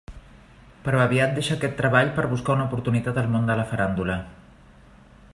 Però aviat deixa aquest treball per buscar una oportunitat al món de la faràndula.